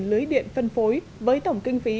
lưới điện phân phối với tổng kinh phí